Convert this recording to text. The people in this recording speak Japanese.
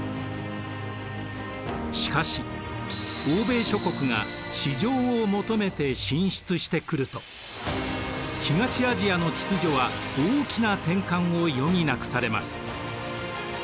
しかし欧米諸国が市場を求めて進出してくると東アジアの秩序は大きな転換を余儀なくされます。